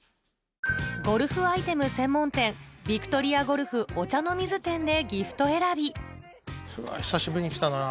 ゴルフアイテム専門店ヴィクトリアゴルフ御茶ノ水店でギフト選びうわ久しぶりに来たな。